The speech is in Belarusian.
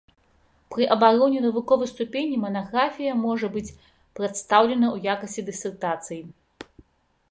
Пры абароне навуковай ступені манаграфія можа быць прадстаўлена ў якасці дысертацыі.